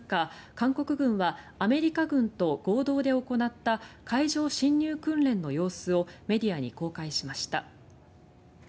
韓国軍はアメリカ軍と合同で行った海上侵入訓練の様子をメディアに公開しました。